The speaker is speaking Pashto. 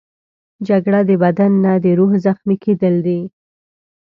جګړه د بدن نه، د روح زخمي کېدل دي